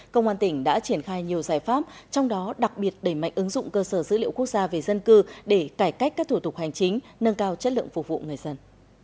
công an tỉnh đã triển khai nhiều giải pháp trong đó đặc biệt đẩy mạnh ứng dụng cơ sở dữ liệu quốc gia về dân cư để cải cách các thủ tục hành chính nâng cao chất lượng phục vụ người dân